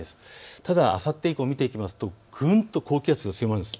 ただあさって以降、見ますとぐんと高気圧が強まります。